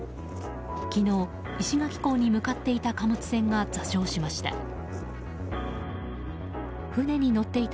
昨日、石垣港に向かっていた貨物船が座礁しました。